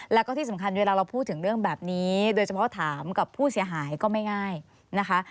แล้วก็ที่สำคัญเวลาเราพูดถึงเรื่องแบบนี้โดยเฉพาะถามกับผู้เสียหายก็ไม่ง่ายนะคะ